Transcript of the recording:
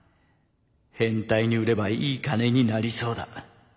変態に売ればいい金になりそうだ。